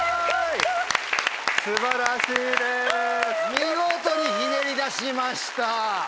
見事にひねり出しました。